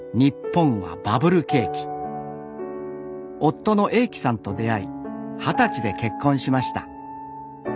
夫の栄喜さんと出会い二十歳で結婚しました。